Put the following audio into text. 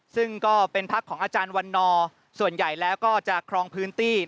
ซึ่งก็เป็นพักของอาจารย์วันนอร์ส่วนใหญ่แล้วก็จะครองพื้นที่